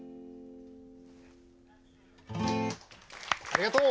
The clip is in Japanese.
ありがとう！